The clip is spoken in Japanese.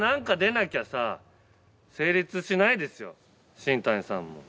新谷さんも。